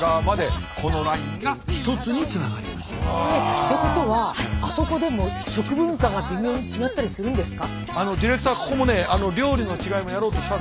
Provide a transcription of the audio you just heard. ってことはあそこでも食文化が微妙に違ったりするんですか？